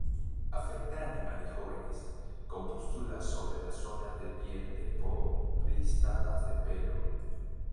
Afecta a animales jóvenes, con pústulas sobre las zonas de piel desprovistas de pelo.